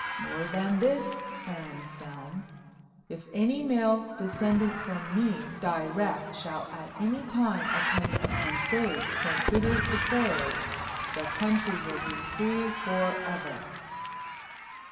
More than this, Anselm, if any male descendant from me direct shall at any time attend a Crusade when it is declared, the country will be free forever.'